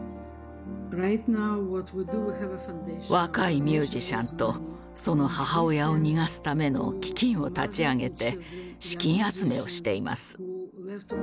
若いミュージシャンとその母親を逃がすための基金を立ち上げて資金集めをしています。